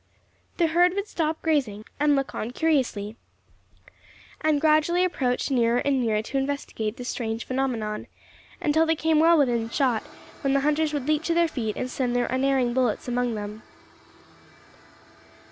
The herd would stop grazing and look on curiously, and gradually approach nearer and nearer to investigate this strange phenomenon, until they came well within shot, when the hunters would leap to their feet and send their unerring bullets among them.